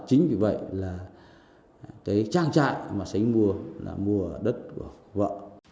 chính vì vậy là tới trang trại mà xánh mua là mua đất của vợ